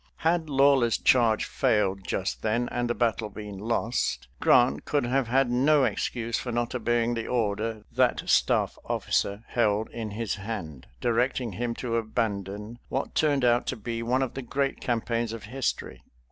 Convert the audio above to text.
Had Lawler's charge failed just then and the battle been lost, Grant could have had no excuse for not obeying the order that staff officer held in his hand, directing him to abandon what turned out to be one of the great campaigns of history.